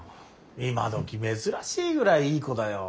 今どき珍しいぐらいいい子だよ。